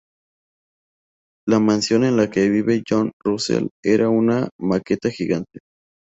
La mansión en la que vive John Russell era una maqueta gigante.